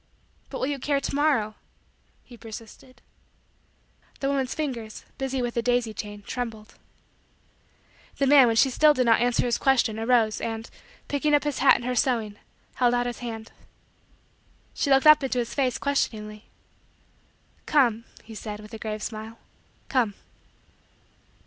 "But will you care to morrow?" he persisted. The woman's fingers, busy with the daisy chain, trembled. The man, when she still did not answer his question, arose and, picking up his hat and her sewing, held out his hand. She looked up into his face questioningly. "Come" he said with a grave smile "come."